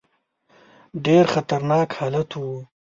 ډېر خطرناک حالت وو.